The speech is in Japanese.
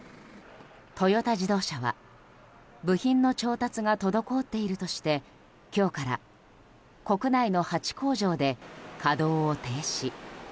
トヨタ自動車は部品の調達が滞っているとして今日から国内の８工場で稼働を停止。